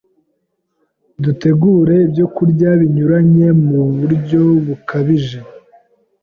dutegure ibyokurya binyuranye mu buryo bukabije